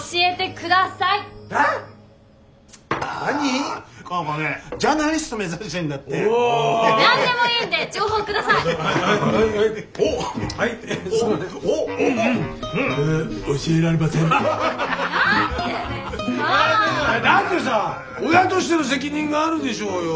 だってさ親としての責任があるでしょうよ。